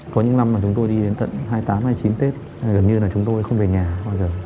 có những năm mà chúng tôi đi đến tận hai mươi tám hai mươi chín tết gần như là chúng tôi không về nhà bao giờ